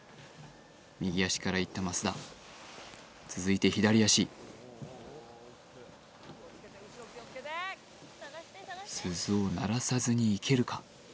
右足からいった増田続いて左足鈴を鳴らさずにいけるか？